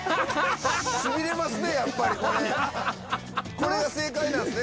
これが正解なんですね